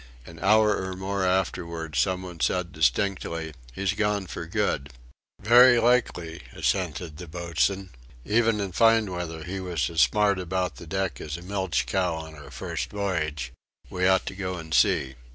An hour or more afterwards some one said distinctly: "He's gone for good." "Very likely," assented the boatswain; "even in fine weather he was as smart about the deck as a milch cow on her first voyage. We ought to go and see."